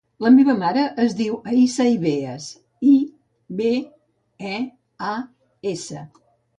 La meva mare es diu Aisha Ibeas: i, be, e, a, essa.